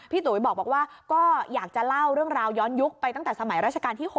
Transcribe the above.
ตุ๋ยบอกว่าก็อยากจะเล่าเรื่องราวย้อนยุคไปตั้งแต่สมัยราชการที่๖